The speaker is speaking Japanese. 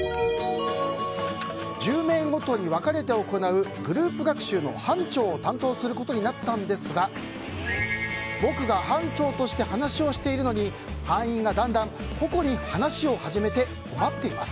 １０名ごとに分かれて行うグループ学習の班長を担当することになったんですが僕が班長として話をしているのに班員がだんだん個々に話を始めて困っています。